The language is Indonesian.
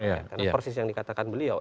karena persis yang dikatakan beliau